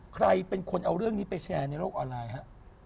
ใครเป็นคนเอาเรื่องนี้ไปแชร์ในโลกออนไลน์ฮะ